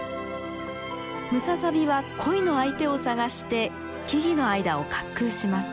ムササビは恋の相手を探して木々の間を滑空します。